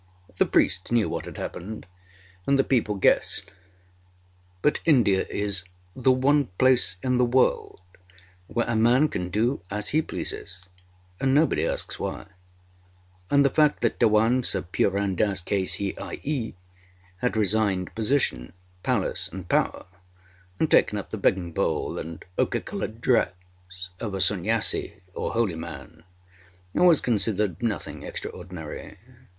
The priests knew what had happened, and the people guessed; but India is the one place in the world where a man can do as he pleases and nobody asks why; and the fact that Dewan Sir Purun Dass, K.C.I.E., had resigned position, palace, and power, and taken up the begging bowl and ochre coloured dress of a Sunnyasi, or holy man, was considered nothing extraordinary.